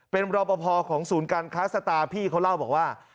เป็นรอปภของศูนย์การค้าสตาร์พี่เขาเล่าบอกว่า